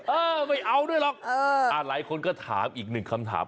เออไม่เอาด้วยหรอกหลายคนก็ถามอีกหนึ่งคำถาม